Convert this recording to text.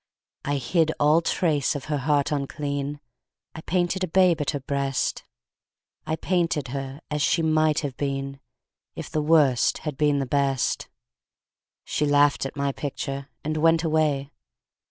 I hid all trace of her heart unclean; I painted a babe at her breast; I painted her as she might have been If the Worst had been the Best. She laughed at my picture and went away.